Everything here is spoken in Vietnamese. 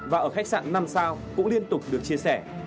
và ở khách sạn năm sao cũng liên tục được chia sẻ